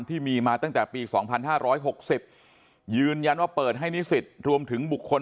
ที่มีมาตั้งแต่ปี๒๕๖๐ยืนยันว่าเปิดให้นิสิตรวมถึงบุคคล